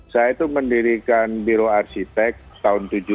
saya itu mendirikan biro arsitek tahun seribu sembilan ratus tujuh puluh